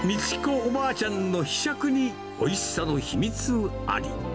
おばあちゃんのひしゃくにおいしさの秘密あり。